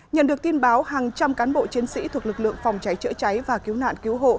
nhận được tin báo hàng trăm cán bộ chiến sĩ thuộc lực lượng phòng cháy chữa cháy và cứu nạn cứu hộ